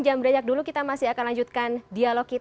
jangan beranjak dulu kita masih akan lanjutkan dialog